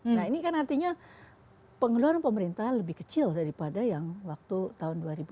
nah ini kan artinya pengeluaran pemerintah lebih kecil daripada yang waktu tahun dua ribu dua